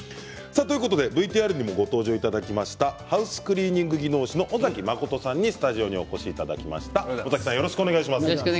ＶＴＲにもご登場いただきましたハウスクリーニング技能士の尾崎真さんにスタジオにお越しいただきました。